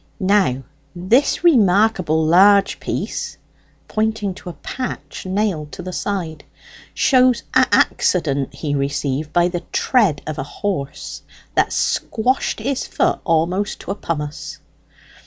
Now, this remarkable large piece" (pointing to a patch nailed to the side), "shows a' accident he received by the tread of a horse, that squashed his foot a'most to a pomace.